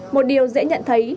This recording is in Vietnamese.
một điều dễ nhận thấy